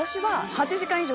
８時間以上！？